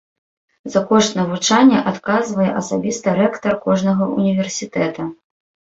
За кошт навучання адказвае асабіста рэктар кожнага ўніверсітэта.